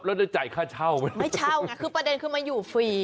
แล้วได้จ่ายค่าเช่าไหมไม่เช่าไงคือประเด็นคือมาอยู่ฟรี